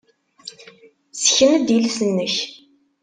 Ssken-d iles-nnek.